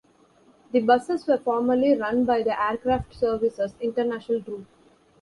The buses were formerly run by the Aircraft Services International Group.